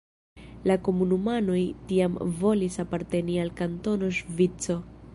La komunumanoj tiam volis aparteni al Kantono Ŝvico.